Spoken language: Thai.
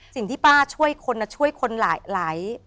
สิ่งที่ป้าช่วยคนช่วยคนหลาย